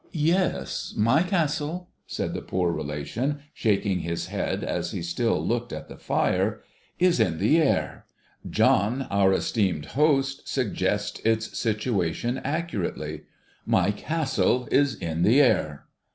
'Yes. My Castle,' said the poor relation, shaking his head as he still looked at the fire, ' is in the Air. John our esteemed host suggests its situation accurately. My Castle is in the Air